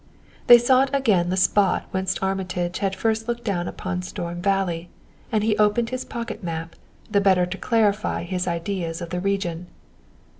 They sought again the spot whence Armitage had first looked down upon Storm Valley, and he opened his pocket map, the better to clarify his ideas of the region.